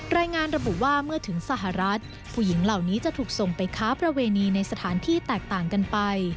รายงานระบุว่าเมื่อถึงสหรัฐผู้หญิงเหล่านี้จะถูกส่งไปค้าประเวณีในสถานที่แตกต่างกันไป